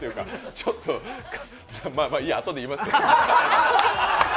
ちょっとまあまあいいや、あとで言います。